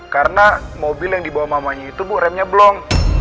karena mobil yang dibawa mamanya itu bu remnya belum